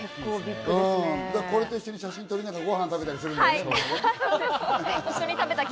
これと一緒に写真撮りながら、ごはん食べたりするんでしょ？